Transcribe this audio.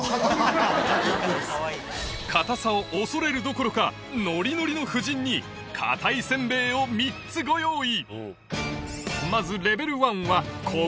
堅さを恐れるどころかノリノリの夫人に堅いせんべいを３つご用意